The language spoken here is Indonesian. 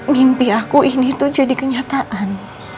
mimpi aku ini tuh jadi kenyataan